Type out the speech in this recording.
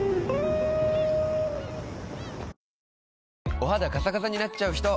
お肌カサカサになっちゃうひと？